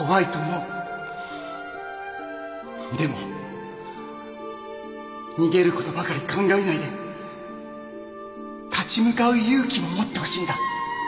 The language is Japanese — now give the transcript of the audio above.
でも逃げる事ばかり考えないで立ち向かう勇気も持ってほしいんだ。